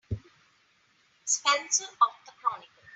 Spencer of the Chronicle.